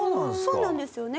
そうなんですよね？